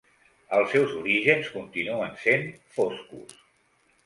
Els seus orígens continuen sent foscos.